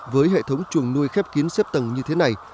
với hệ thống chuồng nuôi khép kín xếp tầng như thế này